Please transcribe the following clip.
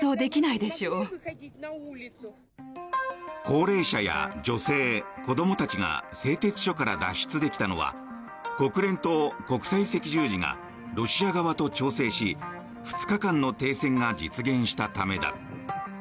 高齢者や女性、子どもたちが製鉄所から脱出できたのは国連と国際赤十字がロシア側と調整し２日間の停戦が実現したためだ。